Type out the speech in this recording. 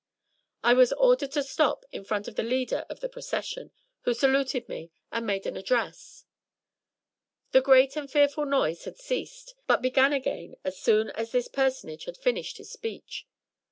I was ordered to stop in front of the leader of the Procession, who saluted me, and made an address. The great and fearful noise had ceased, but began again as soon as this personage had finished his speech.